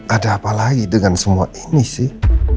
ada apa lagi dengan semua ini sih